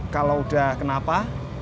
kalau udah kenapa